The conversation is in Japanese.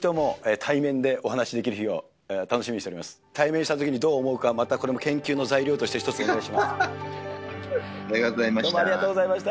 対面したときどう思うか、またこれも研究の材料として一つお願いありがとうございました。